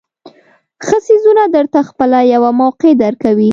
ښه څیزونه درته خپله یوه موقع درکوي.